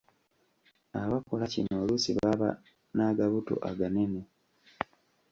Abakola kino oluusi baba n’agabuto aganene.